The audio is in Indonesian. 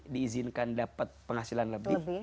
diizinkan dapat penghasilan lebih